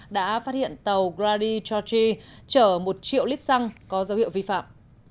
đã phát hiện tàu grady georgie chở một triệu lít xăng có dấu hiệu vi phạm